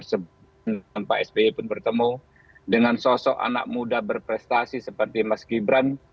sebelum pak sby pun bertemu dengan sosok anak muda berprestasi seperti mas gibran